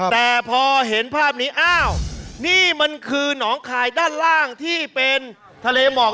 แต่พอเห็นภาพนี้อ้าวนี่มันคือหนองคายด้านล่างที่เป็นทะเลหมอก